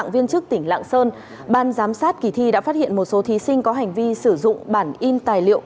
viên chức tỉnh lạng sơn ban giám sát kỳ thi đã phát hiện một số thí sinh có hành vi sử dụng bản in tài liệu